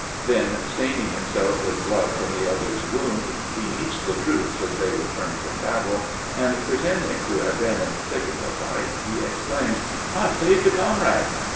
Then, staining himself with blood from the other's wound, he meets the troops as they return from battle, and pretending to have been in the thick of the fight, he exclaims, "I've saved a comrade!"